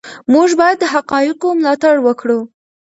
موږ باید د حقایقو ملاتړ وکړو.